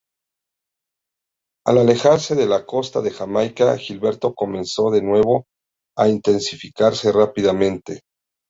Al alejarse de la costa de Jamaica, Gilberto comenzó de nuevo a intensificarse rápidamente.